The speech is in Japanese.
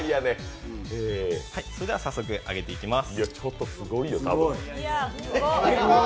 それでは早速揚げていきます。